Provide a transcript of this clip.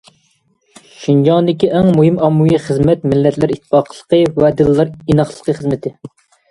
‹‹ شىنجاڭدىكى ئەڭ مۇھىم ئاممىۋى خىزمەت مىللەتلەر ئىتتىپاقلىقى ۋە دىنلار ئىناقلىقى خىزمىتى››.